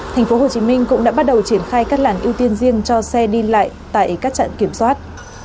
tp hcm cũng đã bắt đầu triển khai các làn ưu tiên riêng cho xe đi lại tại các trạm kiểm soát